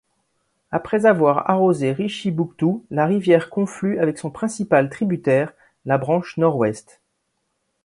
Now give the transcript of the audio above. Après avoir arrosé Richibouctou, la rivière conflue avec son principal tributaire, la Branche Nord-Ouest.